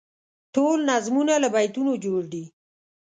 ټول نظمونه له بیتونو جوړ دي.